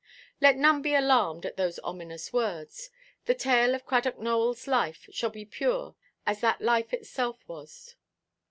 Let none be alarmed at those ominous words. The tale of Cradock Nowellʼs life shall be pure as that life itself was.